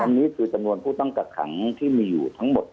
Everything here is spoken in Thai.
แต่มีคนผู้ต้องกระขังที่มีอยู่ทั้งหมด